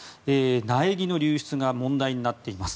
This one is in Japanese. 苗木の流出が問題になっています。